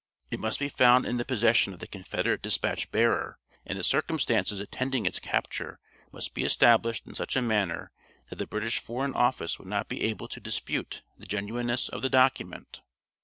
It must be found in the possession of the Confederate dispatch bearer, and the circumstances attending its capture must be established in such a manner that the British Foreign Office would not be able to dispute the genuineness of the document.